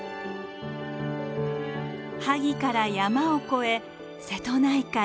萩から山を越え瀬戸内海。